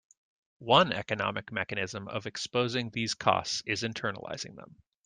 One economic mechanism of exposing these costs is internalizing them.